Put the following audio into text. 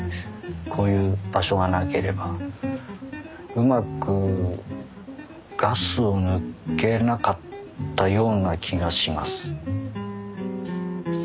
こういう場所がなければうまくガスを抜けなかったような気がします。